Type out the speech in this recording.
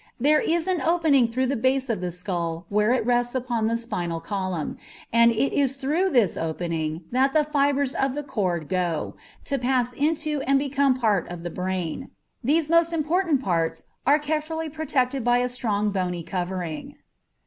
There is an opening through the base of the skull where it rests upon the spinal column, and it is through this opening that the fibres of the cord go, to pass into and become a part of the brain. These most important parts are carefully protected by a strong bony covering.